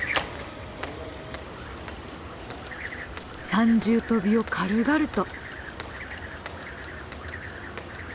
三重跳びを軽々と。